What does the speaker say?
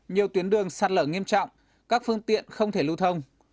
nhiều tuyến đường sạt lở nghiêm trọng các phương tiện không thể lưu thông